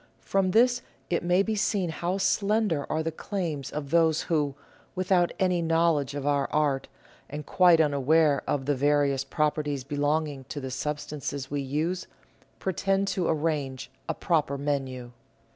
From this it may be seen how slender are the claims of those who, without any knowledge of our art, and quite unaware of the various properties belonging to the substances we use, pretend to arrange a proper menu.